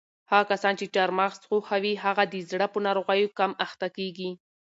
هغه کسان چې چهارمغز خوښوي هغوی د زړه په ناروغیو کم اخته کیږي.